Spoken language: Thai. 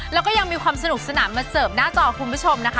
เราก็ยังมีความสนุกสนามมาเสิร์ฟหน้าจอคุณ